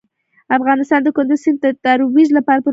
افغانستان د کندز سیند د ترویج لپاره پروګرامونه لري.